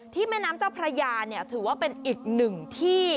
แม่น้ำเจ้าพระยาเนี่ยถือว่าเป็นอีกหนึ่งที่